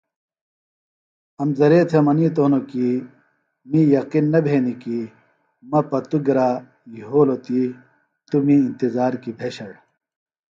امزرے تھےۡ منیتوۡ ہِنوۡ کیۡ می یقِن نہ بھینیۡ کیۡ مہ پتوۡ گرا یھولوۡ تی توۡ می انتظار کیۡ بھیشڑ